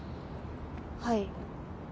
はい。